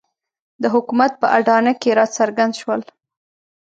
د حکومت په اډانه کې راڅرګند شول.